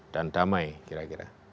dan damai kira kira